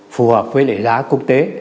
phù hợp với lễ giá quốc tế